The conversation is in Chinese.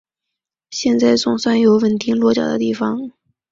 现在总算有稳定落脚的地方